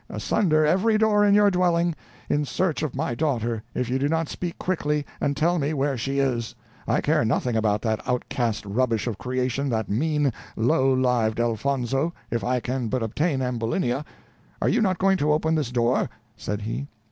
"asunder every door in your dwelling, in search of my daughter, if you do not speak quickly, and tell me where she is. I care nothing about that outcast rubbish of creation, that mean, low lived Elfonzo, if I can but obtain Ambulinia. Are you not going to open this door?" said he.